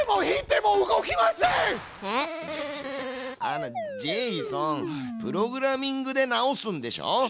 あのジェイソンプログラミングで直すんでしょ？